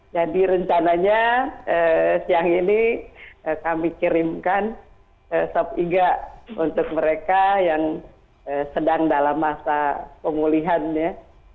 rencananya siang ini kami kirimkan swab iga untuk mereka yang sedang dalam masa pemulihan ya